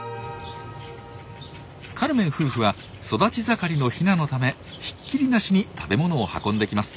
カルメン夫婦は育ち盛りのヒナのためひっきりなしに食べ物を運んできます。